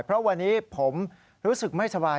เพราะวันนี้ผมรู้สึกไม่สบาย